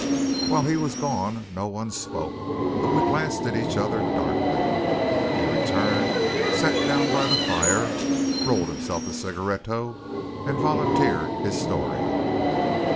While he was gone no one spoke, but we glanced at each other darkly. He returned, sat down by the fire, rolled himself a cigaretto, and volunteered his story.